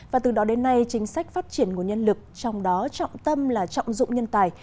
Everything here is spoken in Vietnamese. và từ đó đến nay chính sách phát triển nguồn nhân lực trong đó trọng tâm là trọng dụng nhân tài